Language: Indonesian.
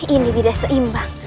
ini tidak seimbang